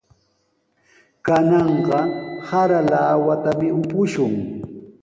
Kananqa sara lawatami upushun.